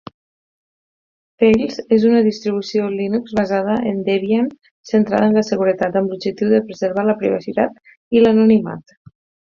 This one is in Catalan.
Tails és una distribució Linux basada en Debian centrada en la seguretat, amb l'objectiu de preservar la privacitat i l'anonimat.